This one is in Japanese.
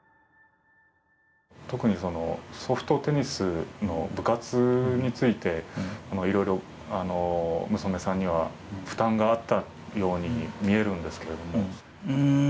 特にソフトテニスの部活についていろいろ娘さんには負担があったように見えるんですけれども。